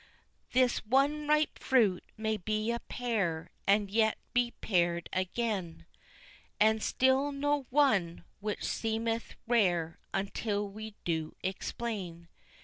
Thus, one ripe fruit may be a pear, and yet be pared again, And still no one, which seemeth rare until we do explain.